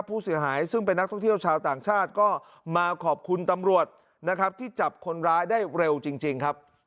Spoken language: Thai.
ผู้เสียหายซึ่งเป็นนักท่องเที่ยวชาวต่างชาติก็มาขอบคุณตำรวจนะครับที่จับคนร้ายได้เร็วจริงครับ